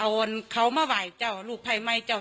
เอาเขามาไหว้เจ้าลูกภัยไหมเจ้า